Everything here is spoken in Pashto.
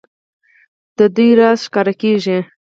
د دوی راز ښکاره کېږي.